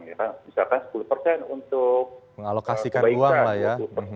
kita baiknya maksudnya misalkan sepuluh untuk mengalokasikan uang lah ya